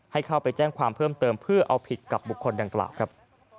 ให้เข้าไปแจ้งความเพิ่มเติมเพื่อเอาผิดกับบุคคลดังกล่าวครับ